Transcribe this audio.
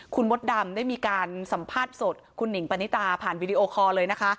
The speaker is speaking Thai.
คุณมดดำได้มีการสัมภาษณ์สดคุณหนิงปณิตาผ่านวีดีโอคอร์เลยนะคะ